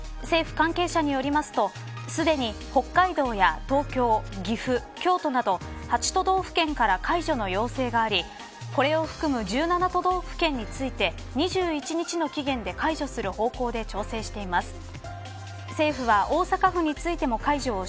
政府関係者によりますとすでに北海道や東京、岐阜、京都など８都道府県から解除の要請がありこれを含む１７都府県について２１日の期限で解除する方向で調整しています。